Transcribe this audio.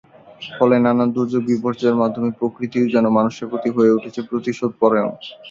ফলে নানা দুর্যোগ বিপর্যয়ের মাধ্যমে প্রকৃতিও যেন মানুষের প্রতি হয়ে উঠেছে প্রতিশোধপরায়ন।